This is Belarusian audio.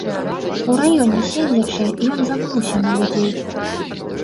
У раёне седзячы, ён забыўся на людзей.